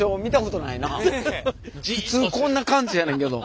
普通こんな感じやねんけど。